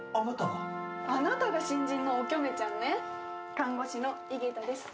看護師の井桁です。